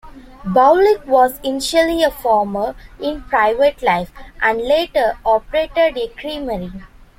Boulic was initially a farmer in private life, and later operated a creamery.